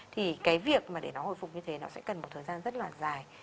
thì cái việc mà để nó hồi phục như thế nó sẽ cần một thời gian rất là dài